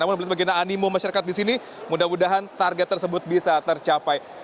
namun melihat bagaimana animo masyarakat di sini mudah mudahan target tersebut bisa tercapai